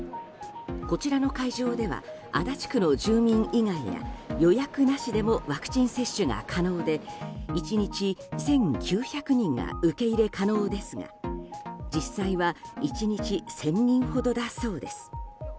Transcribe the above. こちらの会場では足立区の住民以外や予約なしでもワクチン接種が可能で１日１９００人が受け入れ可能ですが実際は１日１０００人ほどだそうです。